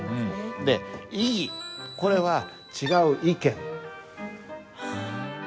で「異議」これは「違う意見」。